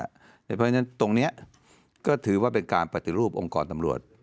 เพราะฉะนั้นตรงนี้ก็ถือว่าเป็นการปฏิรูปองค์กรตำรวจ